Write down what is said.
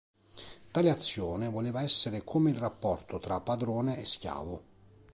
Tale azione voleva essere come il rapporto tra padrone e schiavo.